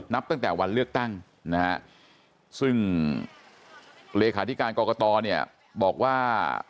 นับตั้งแต่วันเลือกตั้งนะฮะซึ่งเลขาธิการกรกตเนี่ยบอกว่า